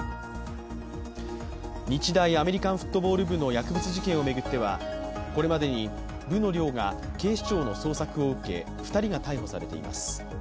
日大アメリカンフットボール部の薬物事件を巡ってはこれまでに部の寮が警視庁の捜索を受け２人が逮捕されています。